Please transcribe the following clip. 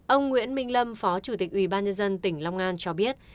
ông nguyễn minh lâm phó chủ tịch ubnd tỉnh long an cho biết